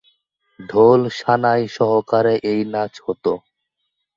ঢোল-সানাই সহকারে এই নাচ হত।